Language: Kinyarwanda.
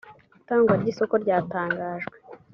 itangwa ry’isoko ryatangajwe